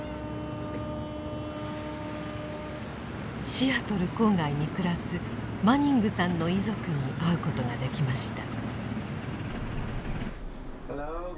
シアトル郊外に暮らすマニングさんの遺族に会うことができました。